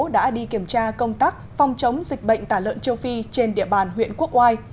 đã đi kiểm tra công tác phòng chống dịch bệnh tả lợn châu phi trên địa bàn huyện quốc oai